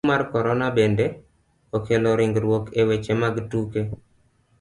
Tuo mar korona bende, okelo ringruok e weche mag tuke.